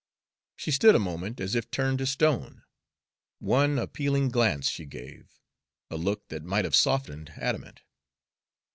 She stood a moment as if turned to stone. One appealing glance she gave, a look that might have softened adamant.